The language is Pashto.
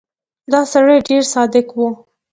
دا سړی ډېر صادق و.